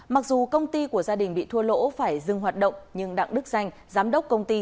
mặc dù công ty của gia đình bị thua lỗ phải dừng hoạt động nhưng đặng đức danh giám đốc công ty